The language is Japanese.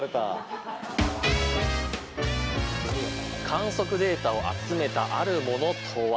観測データを集めたあるものとは？